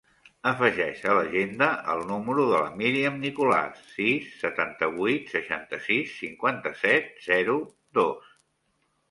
Afegeix a l'agenda el número de la Míriam Nicolas: sis, setanta-vuit, seixanta-sis, cinquanta-set, zero, dos.